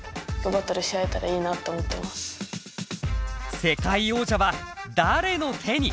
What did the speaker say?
世界王者は誰の手に？